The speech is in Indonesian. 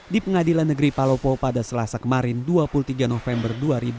di pengadilan negeri palopo pada selasa kemarin dua puluh tiga november dua ribu dua puluh